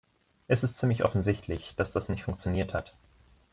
Es ist ziemlich offensichtlich, dass das nicht funktioniert hat.